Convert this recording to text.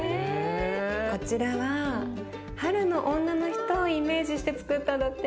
こちらは春の女の人をイメージしてつくったんだって。